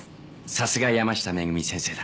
さすが山下めぐみ先生だ。